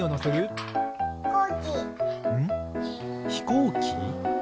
ひこうき？